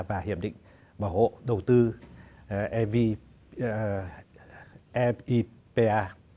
và hiệp định bảo hộ đầu tư evipa